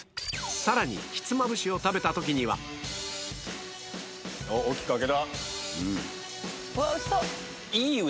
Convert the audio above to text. さらにひつまぶしを食べた時には大きく開けた。